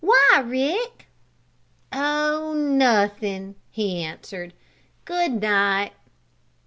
Why, Rick?" "Oh oh, nothin'!" he answered. "Good night!"